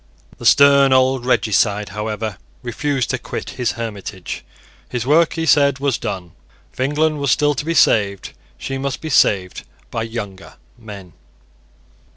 The stern old regicide, however, refused to quit his hermitage. His work, he said, was done. If England was still to be saved, she must be saved by younger men.